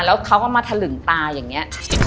แล้วเขาก็มาถลึงตาอย่างนี้